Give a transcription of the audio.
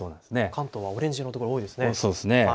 関東はオレンジ色の所が多いですね。